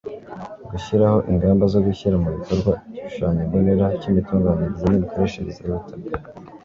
gushyiraho ingamba zo gushyira mu bikorwa igishushanyombonera cy' imitunganyirize n'imikoreshereze y'ubutaka